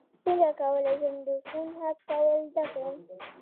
څنګه کولی شم د فون هک کول زده کړم